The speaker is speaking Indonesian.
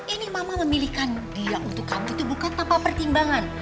ini mama memilihkan dia untuk kamu itu bukan tanpa pertimbangan